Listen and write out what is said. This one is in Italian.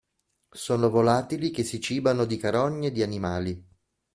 Sono volatili che si cibano di carogne di animali.